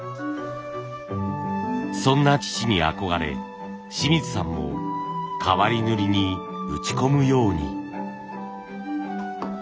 そんな父に憧れ清水さんも変わり塗に打ち込むように。